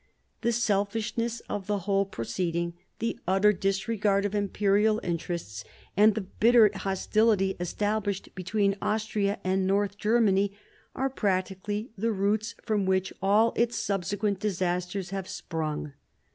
The selfishness of the whole proceeding, the utter disregard of imperial / interests, and the bitter hostility established between Austria and North Germany, are practically the roots from which all its subsequent disasters have sprung.